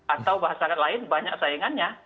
atau bahasa lain banyak saingannya